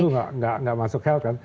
jujur gak masuk health kan